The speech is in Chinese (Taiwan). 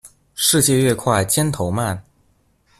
世界越快尖頭鰻